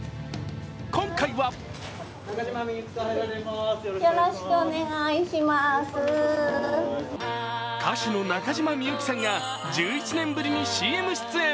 今回は歌手の中島みゆきさんが１１年ぶりにＣＭ出演。